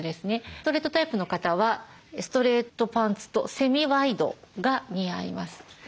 ストレートタイプの方はストレートパンツとセミワイドが似合います。